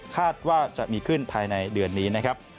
คาดว่าจะมีขึ้นภายในเดือนนี้นะครับ